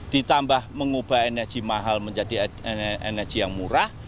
ditambah mengubah energi mahal menjadi energi yang murah